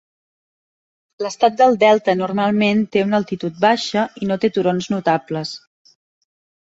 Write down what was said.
L'Estat del Delta normalment té una altitud baixa i no té turons notables.